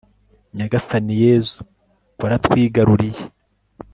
nyagasani yezu, waratwigaruriye